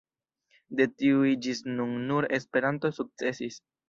De tiuj ĝis nun nur Esperanto sukcesis.